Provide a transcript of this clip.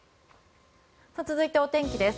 続いて、お天気です。